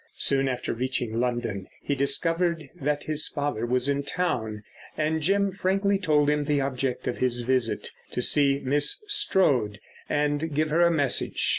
Soon after reaching London he discovered that his father was in town, and Jim frankly told him the object of his visit—to see Miss Strode and give her a message.